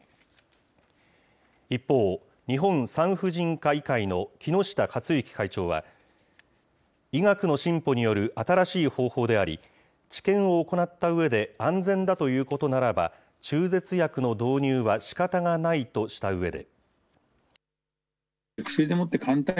一方、日本産婦人科医会の木下勝之会長は、医学の進歩による新しい方法であり、治験を行ったうえで安全だということならば、中絶薬の導入はしかたがないとしたうえで。